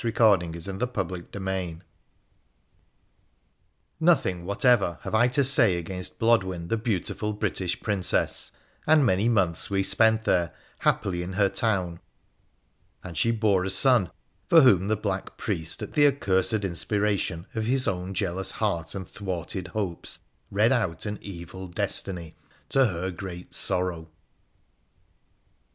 14 WONDERFUL ADVENTURES OP CHAPTER II Nothing whatever have I to say against Blodwen, the beauti ful British Princess, and many months we spent there happily in her town : and she bore a son, for whom the black priest, at the accursed inspiration of his own jealous heart and thwarted hopes, read out an evil destiny, to her great sorrow.